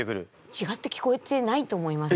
違って聞こえてないと思います。